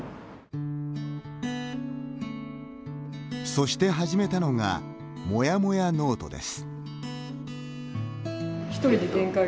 そして始めたのがモヤモヤノートです。